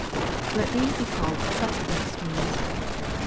Let these be called "subsequent" streams.